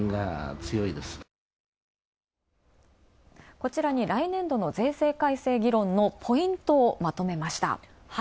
こちらに来年度の税制改正議論のポイントをまとめました。